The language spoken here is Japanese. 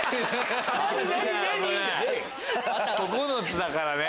９つだからね。